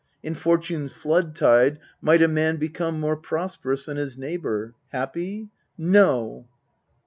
In Fortune's flood tide might a man become More prosperous than his neighbour : happy ? no